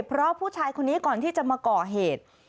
เพราะผู้ชายคนนี้ก่อนที่จะมาก่อเหตุ